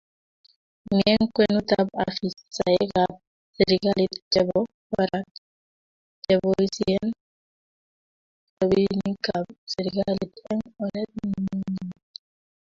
mi eng' kwenutab afisaekab serikali chebo barak cheboisien robinikab serikali eng' oret nemonyolu.